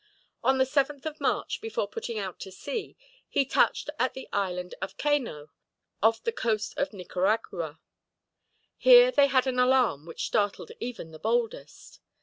On the 7th of March, before putting out to sea, he touched at the Island of Cano, off the coast of Nicaragua. Here they had an alarm which startled even the boldest.